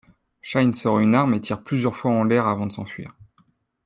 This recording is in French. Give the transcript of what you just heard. Shyne sort une arme et tire plusieurs fois en l'air avant de s'enfuir.